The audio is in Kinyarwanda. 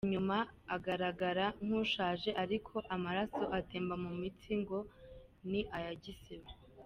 Inyuma agaragara nk’ushaje ariko amaraso atemba mu mitsi ngo ni aya gisore.